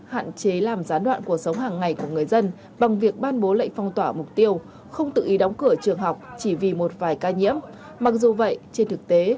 hạn chế làm gián đoạn vụ